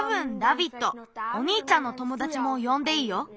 おにいちゃんのともだちもよんでいいよ。